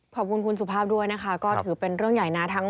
ขอบคุณคุณสุภาพด้วยนะคะก็ถือเป็นเรื่องใหญ่นะ